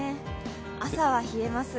朝は冷えます。